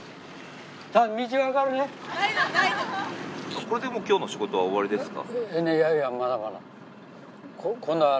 これでもう今日の仕事は終わりですか？